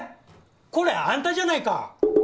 これあんたじゃないか！